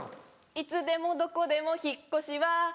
いつでもどこでも引っ越しは